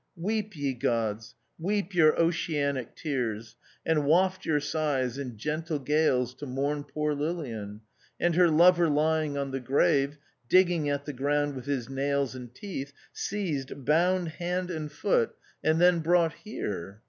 Weep, ye gods, weep your oceanic tears, and waft your sighs in gentle gales to mourn poor Lilian. And her lover lying on the grave, digging at «the ground with his nails and teeth, seized, bound hand and foot, 32 THE OUTCAST. and then brought here.